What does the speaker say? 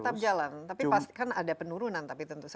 tetap jalan tapi pasti kan ada penurunan tapi tentu saja